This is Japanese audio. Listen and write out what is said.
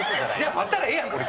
待ったらええやん。